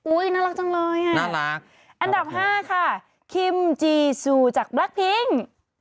อุ๊ยน่ารักจังเลยค่ะอันดับ๕ค่ะคิมจีซูจากแบล็กพิ้ง